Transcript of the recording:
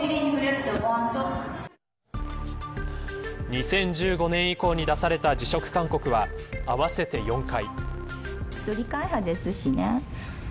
２０１５年以降に出された辞職勧告は合わせて４回。